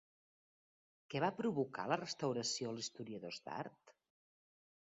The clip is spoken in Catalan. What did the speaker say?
Què va provocar la restauració als historiadors d'art?